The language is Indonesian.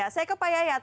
saya ke pak yayat